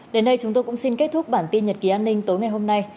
đến đây chúng tôi cũng xin kết thúc bản tin nhật ký an ninh tối ngày hôm nay